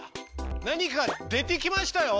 何か出てきましたよ。